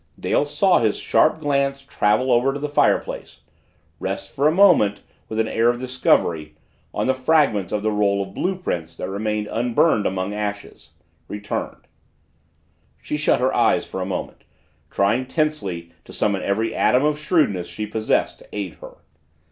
Dale saw his sharp glance travel over to the fireplace rest for a moment, with an air of discovery, on the fragments of the roll of blue prints that remained unburned among ashes return. She shut her eyes for a moment, trying tensely to summon every atom of shrewdness she possessed to aid her.